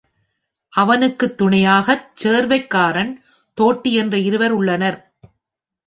அவனுக்குத் துணையாகச் சேர்வைக்காரன், தோட்டி என்ற இருவர் உள்ளனர்.